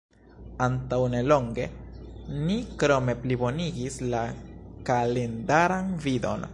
Antaŭ nelonge, ni krome plibonigis la kalendaran vidon.